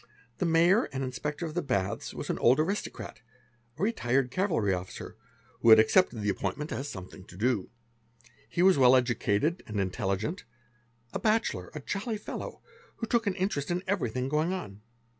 The fayor and Inspector of the Baths was an old aristocrat, a retired cavalry F officer, who had accepted the appointment as something to do. He was . well educated and intelligent, a bachelor, a jolly fellow, who took an interest in everything going on.